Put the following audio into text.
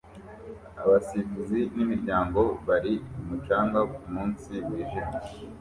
Abasifuzi nimiryango bari ku mucanga kumunsi wijimye